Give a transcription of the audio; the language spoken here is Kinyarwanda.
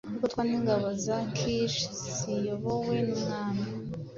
kugotwa ningabo za Kish ziyobowe nUmwami